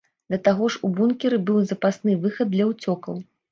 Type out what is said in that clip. Да таго ж у бункеры быў запасны выхад для ўцёкаў.